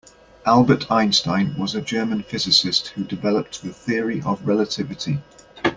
Albert Einstein was a German physicist who developed the Theory of Relativity.